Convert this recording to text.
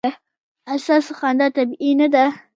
ایا ستاسو خندا طبیعي نه ده؟